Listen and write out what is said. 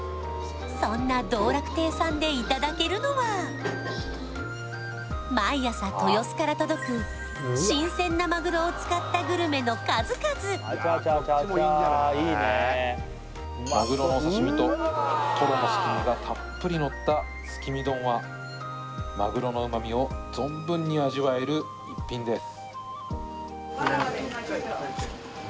そんな道楽庭さんでいただけるのは毎朝豊洲から届く新鮮なマグロを使ったグルメの数々マグロのお刺身とトロのすき身がたっぷりのったすき身丼はマグロの旨みを存分に味わえる一品です